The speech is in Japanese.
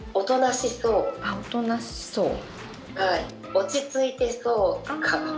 落ち着いてそう、とか。